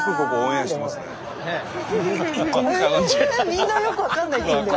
みんなよく分かんないって言うんだよね。